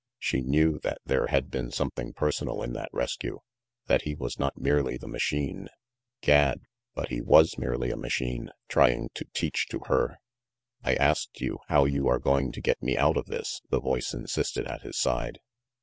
She knew that there had been something personal in that rescue, that he was not merely the machine Gad, but he was merely a machine, trying to teach to her "I asked you how you are going to get me out of this," the voice insisted at his side.